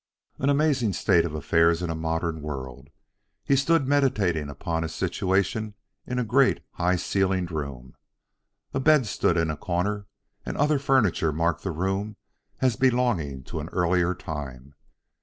An amazing state of affairs in a modern world! He stood meditating upon his situation in a great, high ceilinged room. A bed stood in a corner, and other furniture marked the room as belonging to an earlier time.